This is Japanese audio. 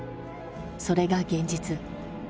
それが現実。